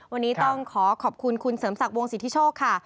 วันนี้ต้องขอขอบคุณคุณเสริมศักดิ์วงสิทธิโชคค่ะ